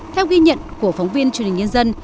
theo ghi nhận của phóng viên truyền hình nhân dân